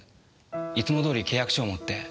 いつもどおり契約書を持って。